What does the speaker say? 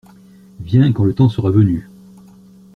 Viens quand le temps sera venu.